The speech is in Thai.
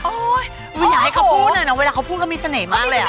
โอ้ยอย่าให้เขาพูดเลยนะเวลาเขาพูดก็มีเสน่ห์มากเลย